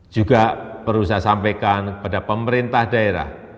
juga perlu saya sampaikan kepada pemerintah daerah